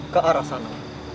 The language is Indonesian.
ke arah sana